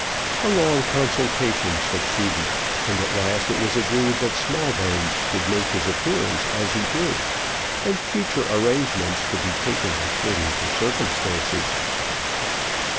A long consultation succeeded, and at last it was agreed that Smallbones should make his appearance as he did, and future arrangements to be taken according to circumstances.